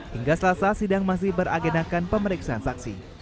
hingga selasa sidang masih beragenakan pemeriksaan saksi